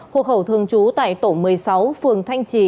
hộ khẩu thường trú tại tổ một mươi sáu phường thanh trì